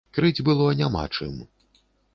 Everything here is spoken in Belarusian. Крыць было няма чым.